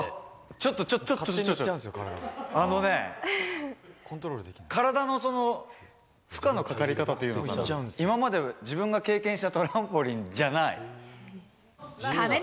ちょちょ、ちょっと、あのね、体のその、負荷のかかり方というのかな、今まで自分が経験したトランポリンじゃない。